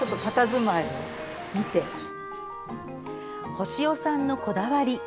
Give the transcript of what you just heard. ほしおさんのこだわり。